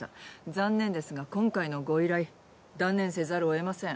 残念ですが今回のご依頼断念せざるをえません。